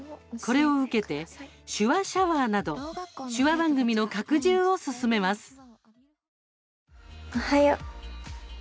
これを受けて「手話シャワー」など手話番組の拡充を進めます。